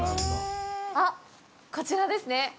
あっ、こちらですね。